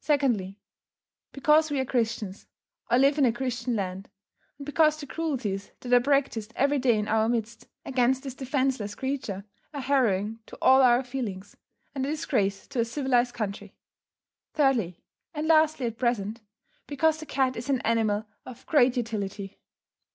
Secondly, because we are Christians, or live in a Christian land; and because the cruelties that are practised every day in our midst, against this defenceless creature are harrowing to all our feelings, and a disgrace to a civilized country. Thirdly, and lastly at present, because the cat is an animal of great utility.